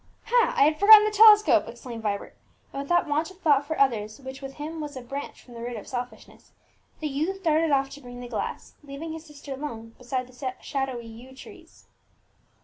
"Ha! I had forgotten the telescope!" exclaimed Vibert; and with that want of thought for others which with him was a branch from the root of selfishness, the youth darted off to bring the glass, leaving his sister alone beside the shadowy yew trees.